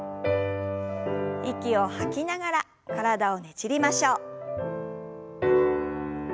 息を吐きながら体をねじりましょう。